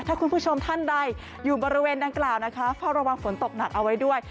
ถ้าคุณผู้ชมท่านใดอยู่บริเวณดังกล่าวนะคะเฝ้าระวังฝนตกหนักเอาไว้ด้วย